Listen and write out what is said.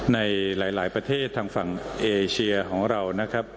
ในหลายประเทศทางฝั่งเอเชียของเรานะครับ